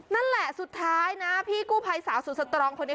นั่นแหละสุดท้ายนะพี่กู้ภัยสาวสุดสตรองคนนี้